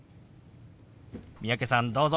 三宅さんどうぞ。